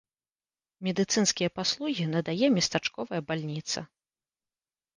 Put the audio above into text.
Медыцынскія паслугі надае местачковая бальніца.